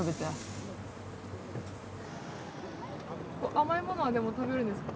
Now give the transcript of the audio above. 甘いものは食べるんですか？